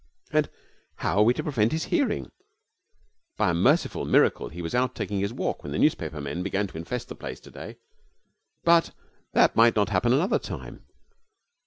And how are we to prevent his hearing? By a merciful miracle he was out taking his walk when the newspaper men began to infest the place to day, but that might not happen another time.